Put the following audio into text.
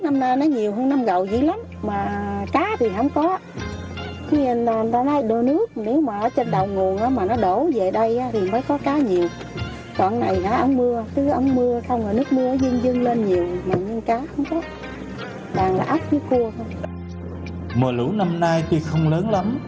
mùa lũ năm nay tuy không lớn lắm